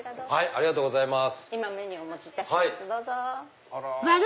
ありがとうございます。